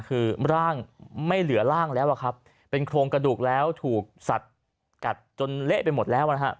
คือร่างมันไม่เหลือร่างแล้วแหมและเป็นโครงกระดูกแล้วถูกสัจกัดจนเละหมดแล้ว